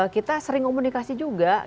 kita sering komunikasi juga